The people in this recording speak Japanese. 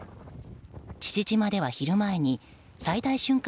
父島では昼前に最大瞬間